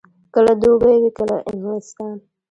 کله دوبۍ وي، کله انګلستان.